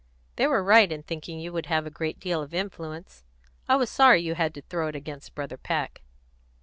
They were right in thinking you would have a great deal of influence. I was sorry you had to throw it against Brother Peck."